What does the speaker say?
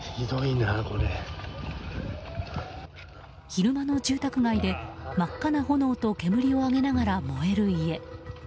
昼間の住宅街で真っ赤な炎と煙を上げながら燃える家。